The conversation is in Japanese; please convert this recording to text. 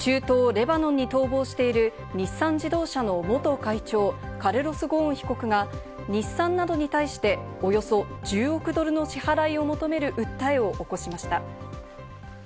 中東レバノンに逃亡している日産自動車の元会長、カルロス・ゴーン被告が日産などに対して、およそ１０億ドルの支払いを求める訴えを起こしました。